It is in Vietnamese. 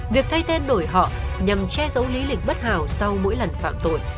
việc thay tên đổi họ nhằm che giấu lý lịch bất hảo sau mỗi lần phạm tội